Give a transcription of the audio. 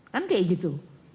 kan kayak gitu